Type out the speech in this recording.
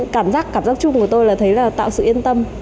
cảm giác chung của tôi là tạo sự yên tâm